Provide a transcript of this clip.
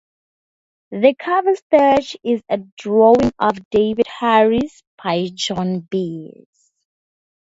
The cover sketch is a drawing of David Harris by Joan Baez.